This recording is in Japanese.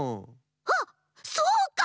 あっそうか！